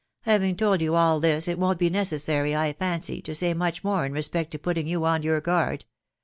Having told you all this, it wo'n't be necessary, I fancy, to say much more in respect to putting you on your guard.